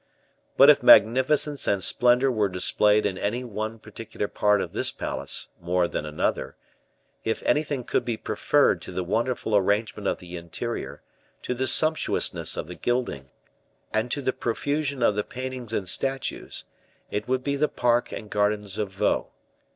But if magnificence and splendor were displayed in any one particular part of this palace more than another, if anything could be preferred to the wonderful arrangement of the interior, to the sumptuousness of the gilding, and to the profusion of the paintings and statues, it would be the park and gardens of Vaux.